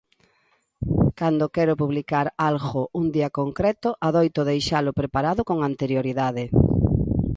Cando quero publicar algo un día concreto, adoito deixalo preparado con anterioridade.